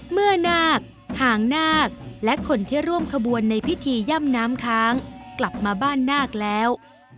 นาคหางนาคและคนที่ร่วมขบวนในพิธีย่ำน้ำค้างกลับมาบ้านนาคแล้ว